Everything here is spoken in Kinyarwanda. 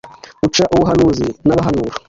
uca ubuhanuzi n’abahanura